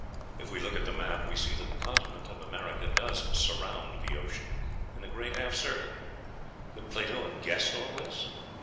If we look at the map, we see that the continent of America does "surround" the ocean in a great half circle. Could Plato have guessed all this?